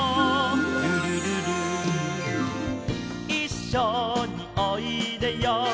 「ルルルル」「いっしょにおいでよ」